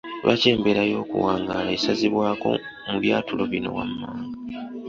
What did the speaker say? Lwaki embeera y’okuwangaala esazibwako mu byatulo bino wammanga?